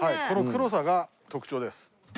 この黒さが特徴です。